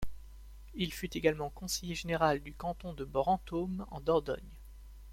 Il fut également conseiller général du canton de Brantôme en Dordogne.